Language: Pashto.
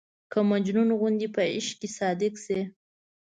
که مجنون غوندې په عشق کې صادق شي.